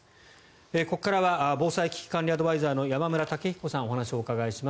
ここからは防災・危機管理アドバイザーの山村武彦さんにお話をお伺いします。